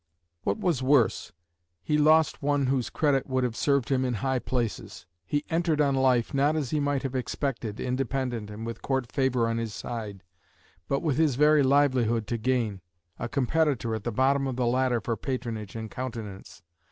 What was worse, he lost one whose credit would have served him in high places. He entered on life, not as he might have expected, independent and with court favour on his side, but with his very livelihood to gain a competitor at the bottom of the ladder for patronage and countenance.